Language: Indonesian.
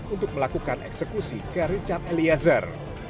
untuk melakukan eksekusi ke richard eliezer